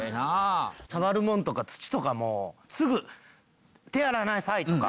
触るものとか土とかもすぐ手洗いなさい！とか。